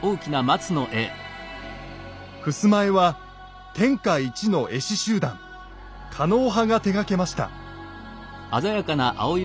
ふすま絵は天下一の絵師集団狩野派が手がけました。